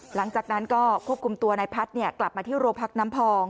หลังจากนั้นก็ควบคุมตัวนายพัฒน์กลับมาที่โรงพักน้ำพอง